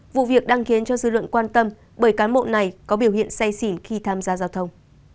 vụ việc đang khiến cho dư luận quan tâm bởi cán bộ này có biểu hiện say xỉn khi tham gia giao thông